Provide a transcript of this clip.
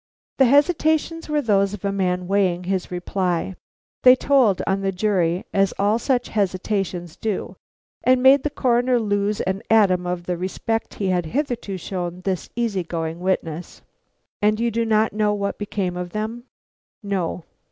The hesitations were those of a man weighing his reply. They told on the jury, as all such hesitations do; and made the Coroner lose an atom of the respect he had hitherto shown this easy going witness. "And you do not know what became of them?" "No."